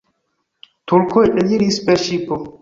Turkoj eliris per ŝipo.